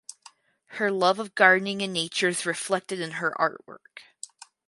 Her love of gardening and nature is reflected in her artwork.